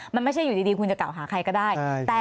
มันไม่ใช่อยู่ดีคุณจะกล่าวหาใครก็ได้